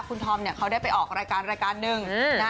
คุณธอมเนี่ยเขาได้ไปออกรายการรายการหนึ่งนะ